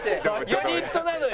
ユニットなのよ。